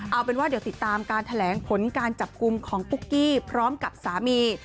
เอาเป็นว่าเดี๋ยวติดตามการแถลงผลการจับกลุ่มของปุ๊กกี้พร้อมกับสามี